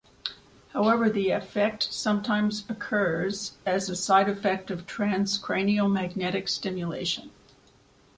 However, the effect sometime occurs as a side effect of transcranial magnetic stimulation.